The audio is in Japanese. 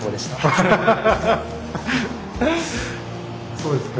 そうですか。